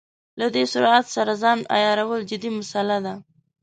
له دې سرعت سره ځان عیارول جدي مساله ده.